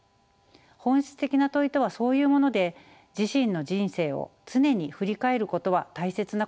本質的な問いとはそういうもので自身の人生を常に振り返ることは大切なことなのかもしれません。